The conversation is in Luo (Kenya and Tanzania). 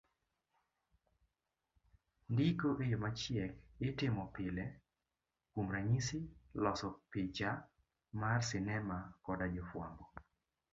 Ndiko e yo machiek itomo pile kuom ranyisi loso picha mar sinema koda jofuambo.